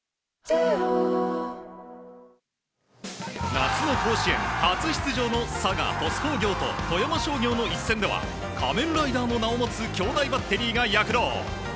夏の甲子園初出場の佐賀・鳥栖工業と富山商業の一戦では仮面ライダーの名を持つ兄弟バッテリーが躍動。